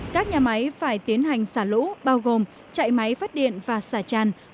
các nhà máy phải tiến hành xả lũ bao gồm chạy máy phát điện và xả tràn